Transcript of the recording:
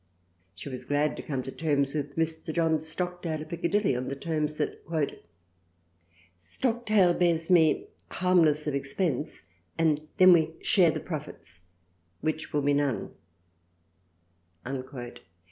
She was glad to come to terms with Mr. John Stockdale of Piccadilly on the terms that " Stockdale bears me harmless of Expense and then we share the Profits, which will be none."